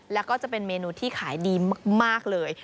แล้วก็จะเป็นเมนูที่ขายดีมากเลย